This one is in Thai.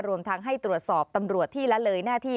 รวมทั้งให้ตรวจสอบตำรวจที่ละเลยหน้าที่